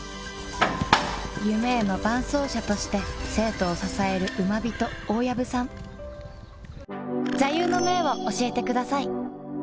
夢への伴走者として生徒を支えるウマビト大藪さんを教えてください